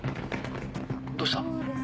どうした？